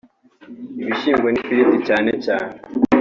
ibishyimbo n’ifiriti cyane cyane